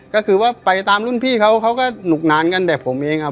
ก็คือว่าไปตามรุ่นพี่เขาเขาก็หนุกนานกันแบบผมเองครับ